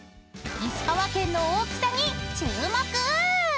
［石川県の大きさに注目！］